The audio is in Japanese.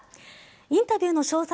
インタビューの詳細